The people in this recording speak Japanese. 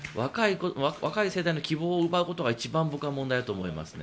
若い世代の希望を奪うことが僕は一番問題だと思いますね。